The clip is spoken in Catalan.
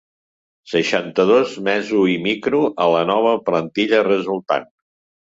Seixanta-dos meso i micro a la nova plantilla resultant.